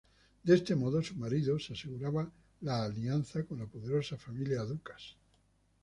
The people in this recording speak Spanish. De este modo, su marido se aseguraba la alianza con la poderosa familia Ducas.